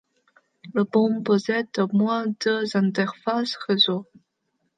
Le pont possède au moins deux interfaces réseau.